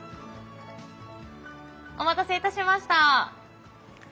お待たせいたしました。